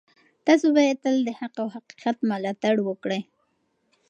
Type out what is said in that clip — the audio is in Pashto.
تاسو باید تل د حق او حقیقت ملاتړ وکړئ.